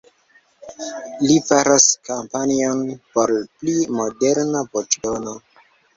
Li faras kampanjon por pli moderna voĉdono.